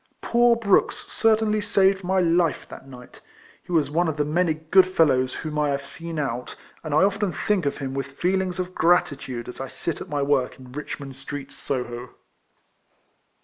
Poor Brooks cer tainly saved my life that night. He was one of the many good fellows whom I have 216 RECOLLECTIONS OF seen out, and I often think of him with feelings of gratitude as I sit at my work in Richmond Street, Soho.